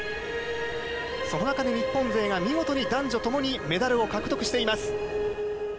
その中で日本勢が見事に男女共にメダルを獲得しています。